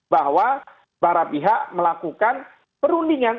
bahwa para pihak melakukan perundingan